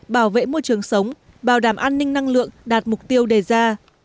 bảo vệ môi trường sống bảo đảm an ninh năng lượng đạt mục tiêu đề ra